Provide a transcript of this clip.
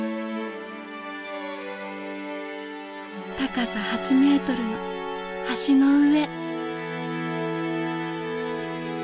高さ８メートルの橋の上。